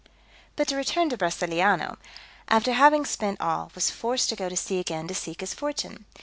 But to return Brasiliano, after having spent all, was forced to go to sea again to seek his fortune.